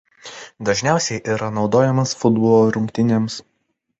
Dažniausiai yra naudojamas futbolo rungtynėms.